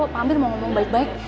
pak amir mau ngomong baik baik